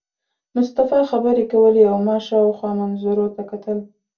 مصطفی خبرې کولې او ما شاوخوا منظرو ته کتل.